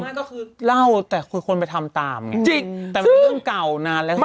นั่นก็คือเล่าแต่คนคนไปทำตามจริงแต่ไม่เป็นเรื่องเก่านานแล้ว